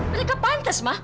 mereka pantes ma